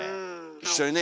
一緒にね